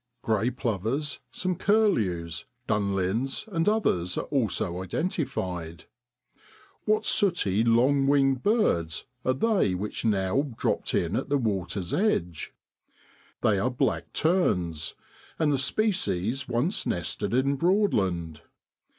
Grrey plovers, some curlews, dunlins, and others are also identified. What sooty long winged birds are they which now dropped in at the water's edge ? They are black terns, and the species once nested in Broadland.